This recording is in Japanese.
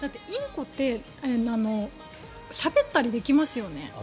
インコってしゃべったりできますよね。